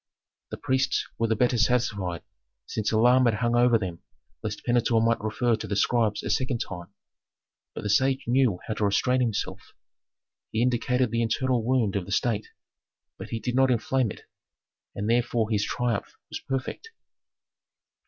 The priests were the better satisfied, since alarm had hung over them lest Pentuer might refer to the scribes a second time. But the sage knew how to restrain himself: he indicated the internal wound of the state, but he did not inflame it, and therefore his triumph was perfect.